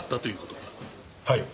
はい。